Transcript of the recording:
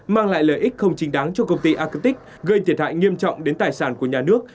mang lại lợi ích không chính đáng cho công ty agic gây thiệt hại nghiêm trọng đến tài sản của nhà nước